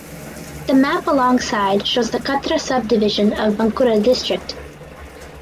The map alongside shows the Khatra subdivision of Bankura district.